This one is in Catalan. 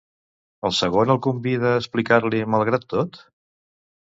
El segon el convida a explicar-li malgrat tot?